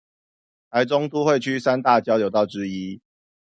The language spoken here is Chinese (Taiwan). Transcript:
臺中都會區三大交流道之一